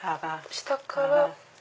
下から。